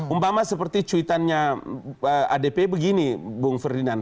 umpama seperti cuitannya adp begini bung ferdinand